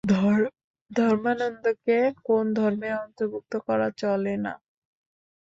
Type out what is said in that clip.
ধর্মান্ধকে কোন ধর্মের অন্তর্ভুক্ত করা চলে না।